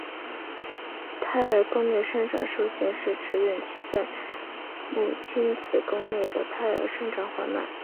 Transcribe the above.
胎儿宫内生长受限是指孕期在母亲子宫内的胎儿生长缓慢。